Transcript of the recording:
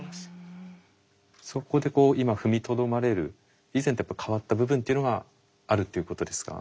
そこで今踏みとどまれる以前と変わった部分っていうのがあるっていうことですか？